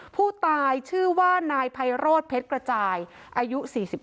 ผู้ตายชื่อว่านายไพโรธเพชรกระจายอายุ๔๕